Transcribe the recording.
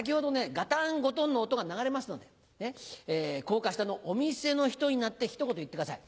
ガタンゴトンの音が流れますので高架下のお店の人になってひと言言ってください。